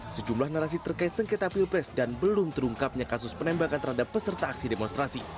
sejumlah narasi terkait sengketa pilpres dan belum terungkapnya kasus penembakan terhadap peserta aksi demonstrasi